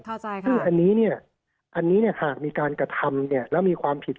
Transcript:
คืออันนี้เนี่ยอันนี้เนี่ยหากมีการกระทำเนี่ยแล้วมีความผิด